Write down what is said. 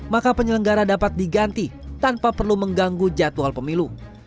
maka penyelenggara dapat diganti tanpa perlu mengganggu jadwal pemilu